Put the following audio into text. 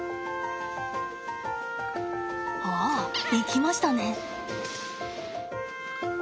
ああ行きましたね。